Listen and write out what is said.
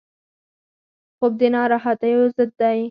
خوب د ناراحتیو ضد دی